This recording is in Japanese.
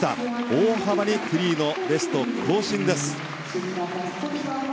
大幅にフリーのベスト更新です。